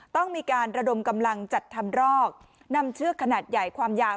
ต้องมีการระดมกำลังจัดทำรอกนำเชือกขนาดใหญ่ความยาว